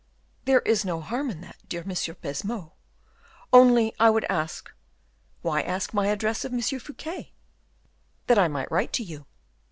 "There is no harm in that, dear M. Baisemeaux, only I would ask, why ask my address of M. Fouquet?" "That I might write to you."